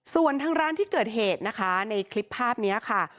ส่วนทางร้านที่เกิดเหตุนะคะในคลิปภาพนี้ค่ะ